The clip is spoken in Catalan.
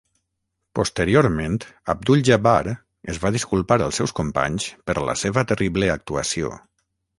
Posteriorment, Abdul-Jabbar es va disculpar als seus companys per la seva terrible actuació.